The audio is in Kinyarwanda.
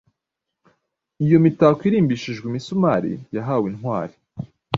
Iyo imitako irimbishijwe imisumari yahaye intwari